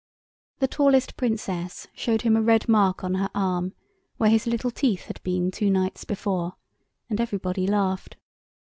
The tallest Princess showed him a red mark on her arm, where his little teeth had been two nights before, and everybody laughed.